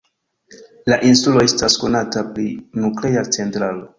La insulo estas konata pri nuklea centralo.